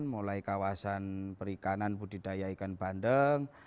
mulai kawasan perikanan budidaya ikan bandeng